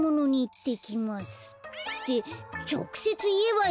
って。